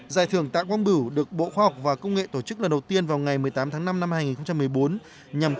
giải thưởng tạ quang bửu được bộ khoa học và công nghệ tổ chức lần đầu tiên vào ngày một mươi tám tháng năm năm hai nghìn một mươi bốn